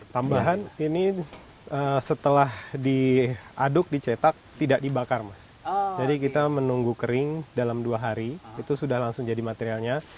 tambahan ini setelah diaduk dicetak tidak dibakar mas jadi kita menunggu kering dalam dua hari itu sudah langsung jadi materialnya